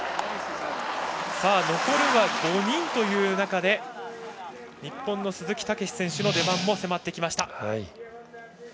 残るは５人という中で日本の鈴木猛史選手の出番も迫ってきました。